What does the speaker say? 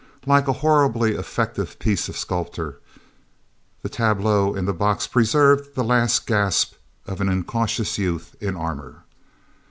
Like some horribly effective piece of sculpture, the tableau in the box preserved the last gasp of an incautious youth in armor.